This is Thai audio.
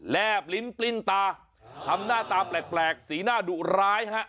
แบลิ้นปลิ้นตาทำหน้าตาแปลกสีหน้าดุร้ายฮะ